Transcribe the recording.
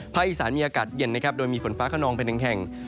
ภาคอีสานมีอากาศเย็นโดยมีฝนฟ้าขนองเป็นแข่ง